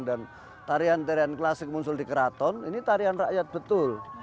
dan tarian tarian klasik muncul di keraton ini tarian rakyat betul